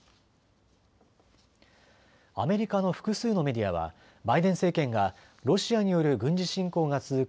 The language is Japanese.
アメリカの複数のメディアはバイデン政権がロシアによる軍事侵攻が続く